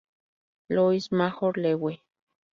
Louis Major League.